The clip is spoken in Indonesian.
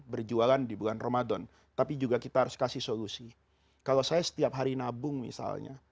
berjualan di bulan ramadan tapi juga kita harus kasih solusi kalau saya setiap hari nabung misalnya